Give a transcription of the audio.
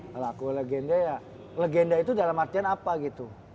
kalau aku legenda ya legenda itu dalam artian apa gitu